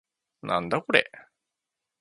なんだこれ